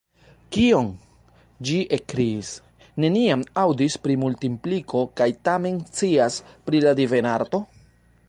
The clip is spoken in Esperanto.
"Kion?" Ĝi ekkriis "neniam aŭdis pri Multimpliko kaj tamen scias pri la Divenarto? »